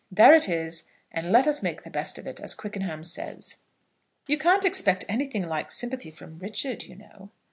There it is, and let us make the best of it, as Quickenham says." "You can't expect anything like sympathy from Richard, you know."